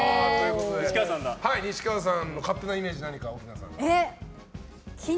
西川さんの勝手なイメージ何か、奥菜さん。